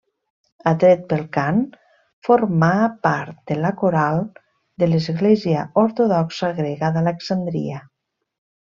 Atret pel cant, formà part de la Coral de l'Església ortodoxa grega d'Alexandria.